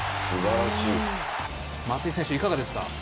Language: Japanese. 松井選手、いかがですか？